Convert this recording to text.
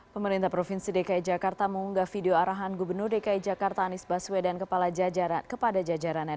pemerintah provinsi dki jakarta mengunggah video arahan gubernur dki jakarta anies baswedan kepala jajaran kepada jajarannya